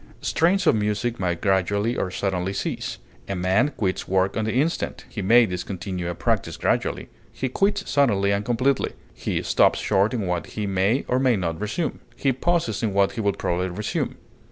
Strains of music may gradually or suddenly cease. A man quits work on the instant; he may discontinue a practise gradually; he quits suddenly and completely; he stops short in what he may or may not resume; he pauses in what he will probably resume.